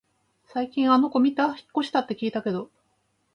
最近あの子みた？引っ越したって聞いたけど